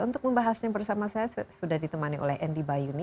untuk membahasnya bersama saya sudah ditemani oleh andy bayuni